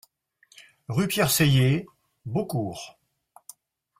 Rue Pierre Sellier, Beaucourt